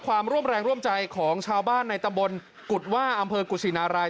ความร่วมแรงร่วมใจของชาวบ้านในตำบลกุฎว่าอำเภอกุศินาราย